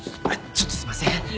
ちょっとすいません。